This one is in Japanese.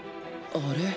あれ？